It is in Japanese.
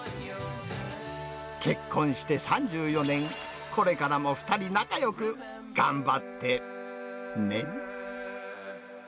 結婚して３４年、これからも２人仲よく頑張ってね。